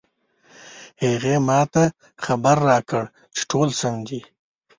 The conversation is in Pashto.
هغې ما ته خبر راکړ چې ټول سم دي